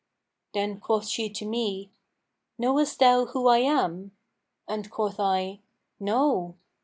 Then quoth she to me, 'Knowest thou who I am?'; and quoth I, 'No.'